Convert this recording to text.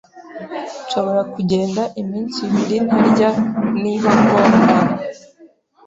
Nshobora kugenda iminsi ibiri ntarya niba ngomba.